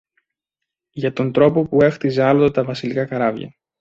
για τον τρόπο που έχτιζε άλλοτε τα βασιλικά καράβια